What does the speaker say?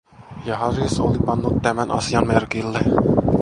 Ja Harish oli pannut tämän asian merkille.